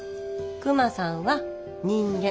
クマさんは人間。